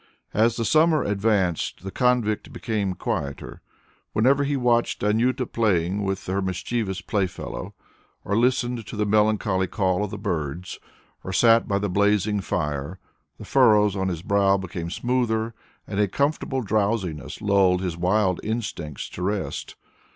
As the summer advanced, the convict became quieter. Whenever he watched Anjuta playing with her mischievous playfellow, or listened to the melancholy call of the birds, or sat by the blazing fire, the furrows on his brow became smoother and a comfortable drowsiness lulled his wild instincts to rest.